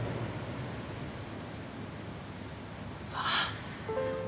ああ。